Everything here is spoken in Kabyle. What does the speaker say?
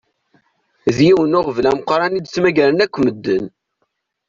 D yiwen uɣbel ameqqran i d-ttmagaren akk meden.